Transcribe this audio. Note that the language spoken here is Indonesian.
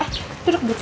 eh duduk di sini